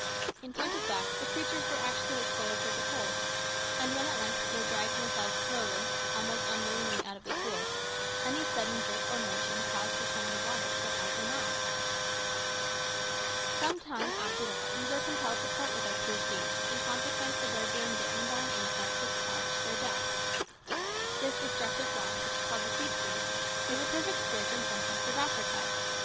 In point of fact the creatures were actually as full as they could hold; and when at length they dragged themselves slowly, almost unwillingly, out of the pool, any sudden jerk or motion caused some of the water to run out of their mouths! Some time after that we were compelled to part with our poor steeds, in consequence of their being bitten by an insect which caused their death. This destructive fly, which is called tsetse, is a perfect scourge in some parts of Africa.